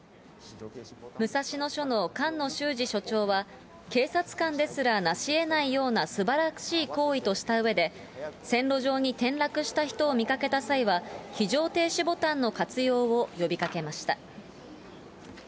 武蔵野署の菅野修司署長は、警察官ですら成しえないようなすばらしい行為としたうえで、線路上に転落した人を見かけた際は、非常停止ボタンの活用を呼びかけました。